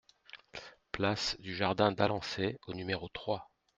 Place du Jardin d'Alençay au numéro trois